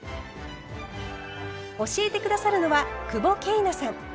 教えて下さるのは久保桂奈さん。